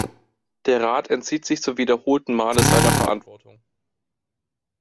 Der Rat entzieht sich zum wiederholten Male seiner Verantwortung.